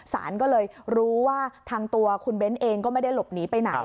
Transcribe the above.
สารก็เลยรู้ว่าทางตัวคุณเบ้นเองก็ไม่ได้หลบหนีไปไหน